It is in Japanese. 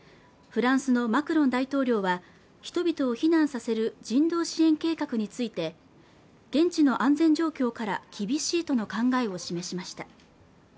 フランスのマクロン大統領は人々を避難させる人道支援計画について現地の安全状況から厳しいとの考えを示しました